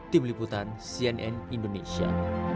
tim liputan cnn indonesia